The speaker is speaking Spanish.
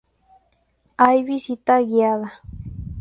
Hay visita guiada.